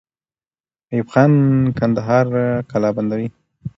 ایوب خان کندهار قلابندوي.